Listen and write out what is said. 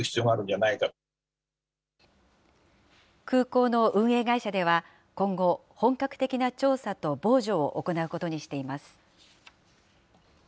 空港の運営会社では今後、本格的な調査と防除を行うことにしています。